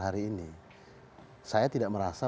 hari ini saya tidak merasa